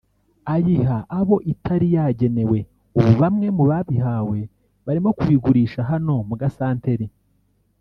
ayiha abo itari yagenewe ubu bamwe mu babihawe barimo kubigurisha hano ku gasantere